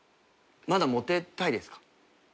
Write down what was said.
まだモテたいですか？